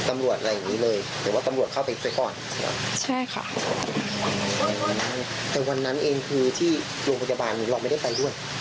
ไม่ค่ะไม่ได้